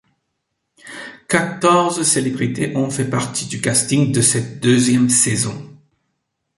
Quatorze célébrités ont fait partie du casting de cette deuxième saison.